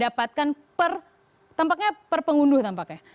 dapatkan per tampaknya per pengunduh tampaknya